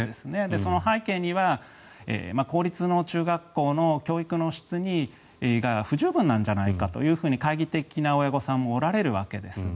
その背景には公立の中学校の教育の質が不十分なんじゃないかと懐疑的な親御さんもおられるわけです。